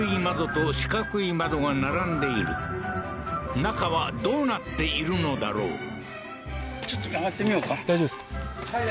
窓と四角い窓が並んでいる中はどうなっているのだろう？